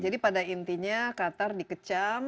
pada intinya qatar dikecam